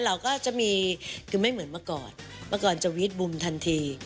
เราก็จะมีคือไม่เหมือนเมื่อก่อนเมื่อก่อนจะวีดบูมทันที